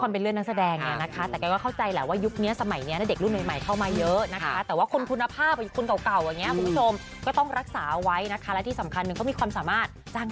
ไปกันได้ด้วยความเป็นเรื่องนังแสดง